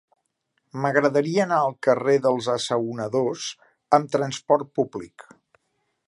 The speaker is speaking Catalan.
M'agradaria anar al carrer dels Assaonadors amb trasport públic.